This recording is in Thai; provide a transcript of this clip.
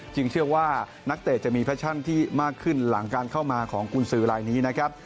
เชื่อว่านักเตะจะมีแฟชั่นที่มากขึ้นหลังการเข้ามาของกุญสือลายนี้นะครับ